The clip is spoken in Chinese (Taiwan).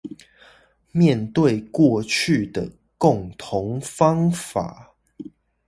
面對過去的共同方法